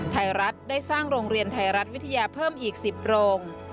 ไทยรัฐได้สร้างโรงเรียนไทยรัฐวิทยาเพิ่มอีก๑๐โรง